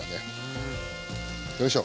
よいしょ。